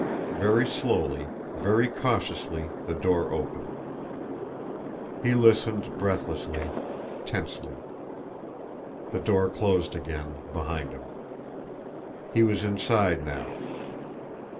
Very slowly, very cautiously the door opened. He listened breathlessly, tensely. The door closed again behind him. He was inside now.